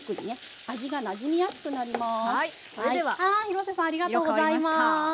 廣瀬さんありがとうございます。